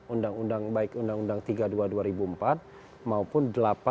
undang undang baik undang undang tiga dua dua ribu empat maupun delapan dua dua ribu lima belas